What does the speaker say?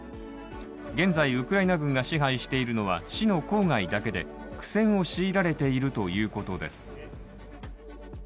現在ウクライナ軍が支配しているのは、市の郊外だけで苦戦を強いられているということです。